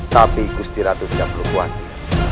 tapi gusti ratu tidak perlu khawatir